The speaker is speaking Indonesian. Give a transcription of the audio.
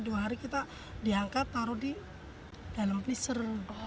dua hari kita diangkat taruh di dalam peacer